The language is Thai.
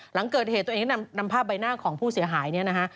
หลังเกิดเหตุตัวเองก็นำภาพใบหน้าของผู้เสียหายเนี่ยนะฮะ